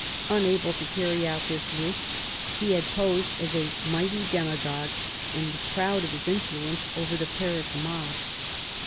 Unable to carry out this wish, he had posed as a mighty demagogue, and was proud of his influence over the Paris mob.